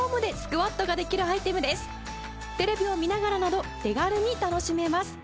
テレビを見ながらなど手軽に楽しめます。